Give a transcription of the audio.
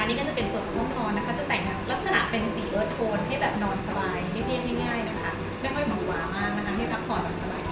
อันนี้ก็จะเป็นส่วนห้องนอนนะคะจะแต่งลักษณะเป็นสีเอิร์ทโทนให้แบบนอนสบายให้เบี้ยงให้ง่ายนะคะไม่ค่อยหวังหวามากนะคะให้นับก่อนสบาย